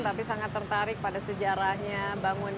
tapi sangat tertarik pada sejarahnya bangunan